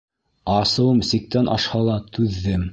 Асыуым сиктән ашһа ла, түҙҙем.